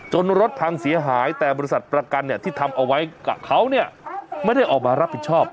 รถพังเสียหายแต่บริษัทประกันที่ทำเอาไว้กับเขาเนี่ยไม่ได้ออกมารับผิดชอบ